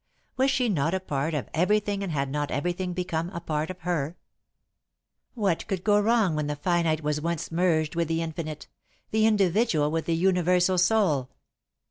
Was she not a part of everything and had not everything become a part of her? What could go wrong when the finite was once merged with the infinite, the individual with the universal soul?